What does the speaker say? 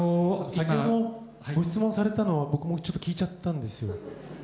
先ほどご質問されたのを、僕もちょっと聞いちゃったんですよ。